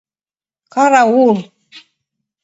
Караул!..